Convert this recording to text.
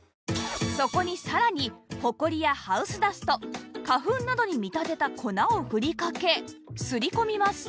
そこにさらにホコリやハウスダスト花粉などに見立てた粉を振りかけすり込みます